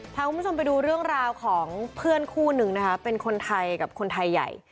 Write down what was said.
พาคุณผู้ชมไปดูเรื่องราวของเพื่อนคู่นึงนะคะเป็นคนไทยกับคนไทยใหญ่